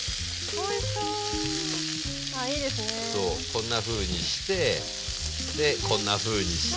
こんなふうにしてでこんなふうにして。